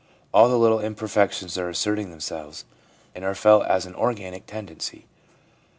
All the little imperfections are asserting themselves, and are felt as an organic tend ency.